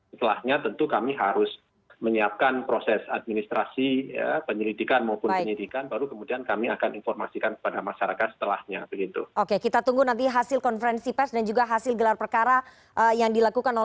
setelahnya tentu kami harus menyiapkan proses administrasi penyelidikan maupun penyelidikan